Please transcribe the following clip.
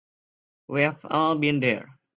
We've all been there.